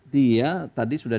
dia tadi sudah